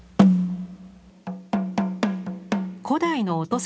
古代の音